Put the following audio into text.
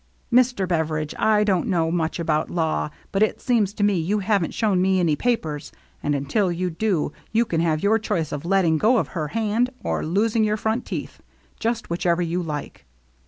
Mister Beveridge, I don't know much about law, but it seems to me you haven't shown me any papers, and, until you do, you can have your choice of letting go of her hand or losing your front teeth. Just whichever you like."